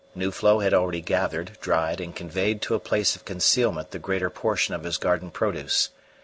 Nuflo had already gathered, dried, and conveyed to a place of concealment the greater portion of his garden produce.